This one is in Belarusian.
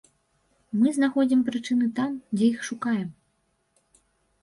Мы знаходзім прычыны там, дзе іх шукаем.